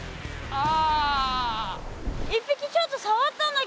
ああ！